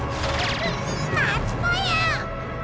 まつぽよ！